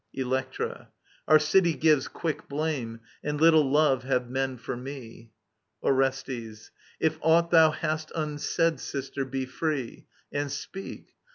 Dlbctra. Our city gives Quick blame ; and little love have men for me. Orestes. If aught thou hast unsaid, sister, be free And speak.